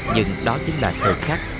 nhưng đó chính là thời khắc